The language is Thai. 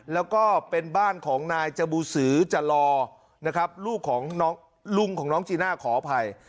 แล้วก็เป็นบ้านของนายจบูสือจลอนะครับลูกของลุงของน้องจีน่าขออภัย